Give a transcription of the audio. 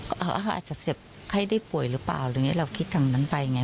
ก็อาจจะเจ็บไข้ได้ป่วยหรือเปล่าอะไรอย่างนี้เราคิดทางนั้นไปไง